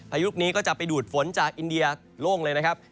พายุลูกนี้ก็จะไปดูดฝนจากอินเดียโล่งเลยนะครับ